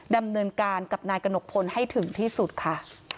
ดำเนินการกับนายกระหนกพลให้ถึงที่สุดค่ะ